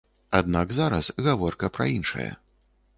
Аднак зараз гаворка пра іншае.